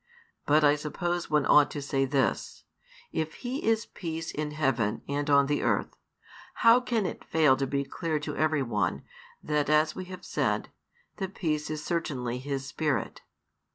But I suppose one ought to say this, if He is peace in heaven and on the earth, how can it fail to be clear to everyone, that as we have said, the peace is certainly His Spirit?